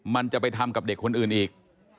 มันจะไปทำกับเด็กคนอื่นอีก